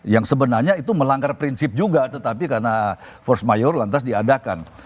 yang sebenarnya itu melanggar prinsip juga tetapi karena force mayoritas diadakan